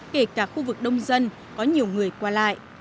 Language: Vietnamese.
kể cả khu vực đông dân có nhiều người qua lại